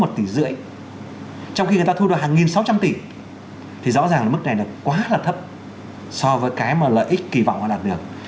một tỷ rưỡi trong khi người ta thu được hàng nghìn sáu trăm tỷ thì rõ ràng mức này là quá là thấp so với cái mà lợi ích kỳ vọng họ đạt được